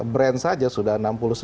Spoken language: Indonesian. brand saja sudah enam puluh sembilan